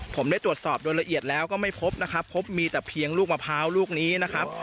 ผมได้ตรวจสอบโดยละเอียดแล้วก็ไม่พบนะครับพบมีแต่เพียงลูกมะพร้าวลูกนี้นะครับ